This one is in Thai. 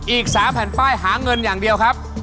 อีก๓แผ่นป้ายหาเงินอย่างเดียวครับ